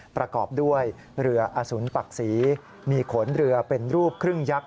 ประกอบด้วยเรืออสุนปักศรีมีขนเรือเป็นรูปครึ่งยักษ